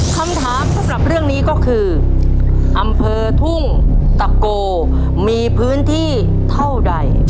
คำถามสำหรับเรื่องนี้ก็คืออำเภอทุ่งตะโกมีพื้นที่เท่าใด